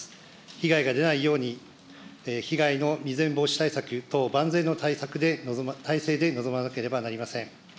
被害が出ないように、被害の未然防止対策等、万全の対策で、体制で臨まなければなりません。